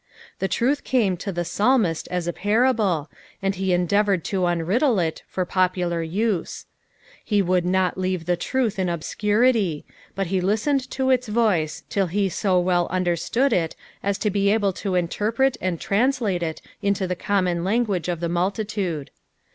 The truth came to the psalmist as a p^irable, and he endeavoured to unriddle it for popular use ; he would not leave the truth in obscurity, but he listened to its voice till he so welt understood it as to be able to interpret and translate it into the commoi) language of the multitude.